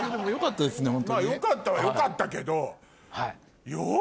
よかったはよかったけど。